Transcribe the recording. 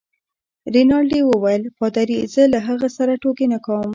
رینالډي وویل: پادري؟ زه له هغه سره ټوکې نه کوم.